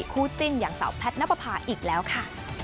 คู่จริงอย่างสาวแพทนั่นพาพาอีกแล้วค่ะ